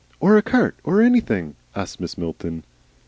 "Or a cart or anything?" asked Mrs. Milton.